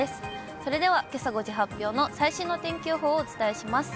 それではけさ５時発表の最新の天気予報をお伝えします。